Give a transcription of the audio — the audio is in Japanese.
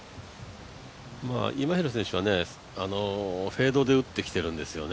今平選手はフェードで打ってきているんですよね。